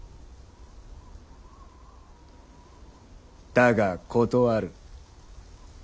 だが断る。